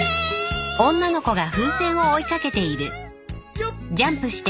よっ！